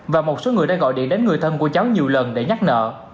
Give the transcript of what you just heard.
và một số người đã gọi điện đến người thân của cháu nhiều lần để nhắc nợ